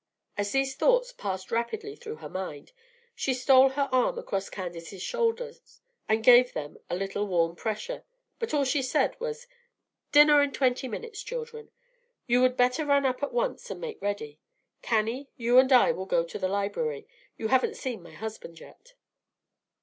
As these thoughts passed rapidly through her mind, she stole her arm across Candace's shoulders and gave them a little warm pressure; but all she said was, "Dinner in twenty minutes, children. You would better run up at once and make ready. Cannie, you and I will go to the library, you haven't seen my husband yet."